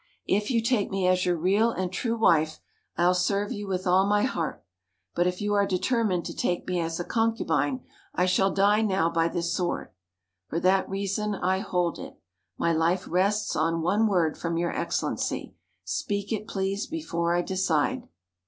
If you take me as your real and true wife I'll serve you with all my heart, but if you are determined to take me as a concubine I shall die now by this sword. For that reason I hold it. My life rests on one word from your Excellency. Speak it, please, before I decide."